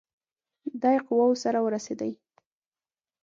دی قواوو سره ورسېدی.